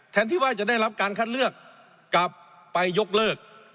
ที่ว่าจะได้รับการคัดเลือกกลับไปยกเลิก